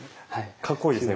かっこいいですね